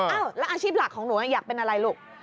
แล้วอาชีพหลักของหนูอยากเป็นอะไรลูก